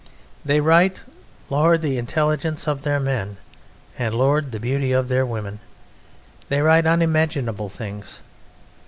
They write (Lord! the intelligence of their men, and Lord! the beauty of their women). They write unimaginable things!